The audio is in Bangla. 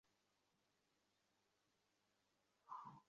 আজকাল তোর কি হয়েছে!